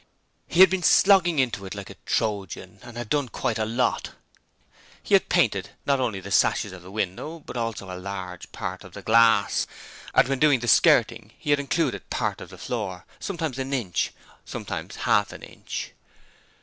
He had been slogging into it like a Trojan and had done quite a lot. He had painted not only the sashes of the window, but also a large part of the glass, and when doing the skirting he had included part of the floor, sometimes an inch, sometimes half an inch.